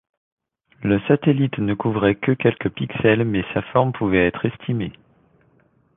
Le satellite ne couvrait que quelques pixels, mais sa forme pouvait être estimée.